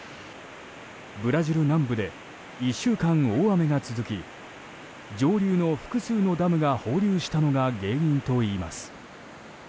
ブラジル南部で１週間、大雨が続き上流の複数のダムが放流したのが原因といいます。